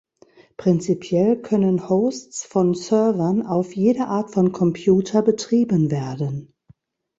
Prinzipiell können Hosts von Servern auf jeder Art von Computer betrieben werden.